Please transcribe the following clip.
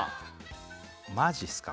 マジっすか